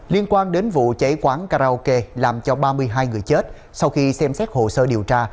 liên quan đến vụ cháy quán karaoke làm cho ba mươi hai người chết sau khi xem xét hồ sơ điều tra